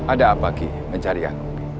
ada apa ki mencari aku